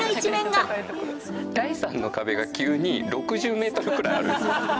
第３の壁が急に６０メートルくらいあるんですよ。